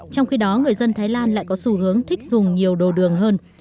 trong khi đó người dân thái lan lại có xu hướng thích dùng nhiều đồ đường hơn